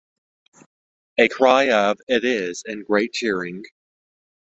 A cry of “It is,” and great cheering.